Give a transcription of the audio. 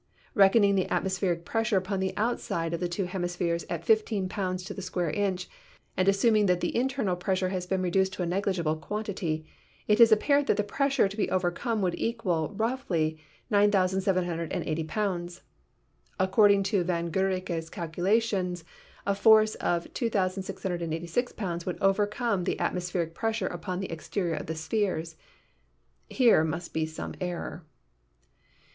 Reckoning the atmospheric pressure upon the outside of the two hemispheres at 15 pounds to the square inch, and assuming that the internal pressure has been reduced to a negligible quantity, it is apparent that the pressure to be overcome would equal, roughly, 9,780 pounds. According to von Guericke's cal culations, a force of 2,686 pounds would overcome the at mospheric pressure upon the exterior of the spheres. Here must be some error